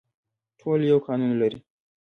ټول یو قانون لري